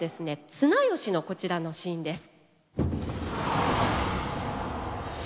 綱吉のこちらのシーンです。